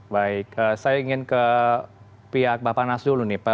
baik saya ingin ke pihak bapak nas dulu nih